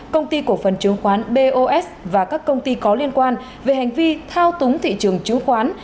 công ty cổ phần chứng khoán bos và các công ty có liên quan về hành vi thao túng thị trường chứng khoán